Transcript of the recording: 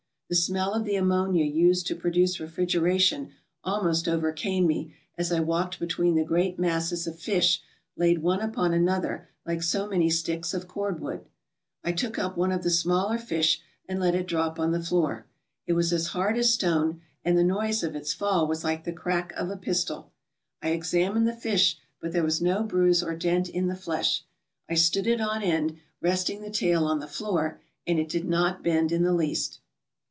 The smell of the ammonia used to pro duce refrigeration almost overcame me as I walked between the great masses of fish laid one upon another like so many sticks of cordwood. I took up one of the smaller fish and let it drop on the floor. It was as hard as stone and the noise of its fall was like the crack of a pistol. I examined the fish, but there was no bruise or dent in the flesh. I stood it on end, resting the tail on the floor, and it did not bend in the least.